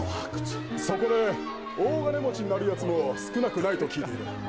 そこで大金持ちになるやつも少なくないと聞いている。